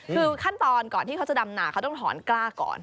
คือขั้นตอนก่อนที่เขาจะดำนาเขาต้องถอนกล้าก่อน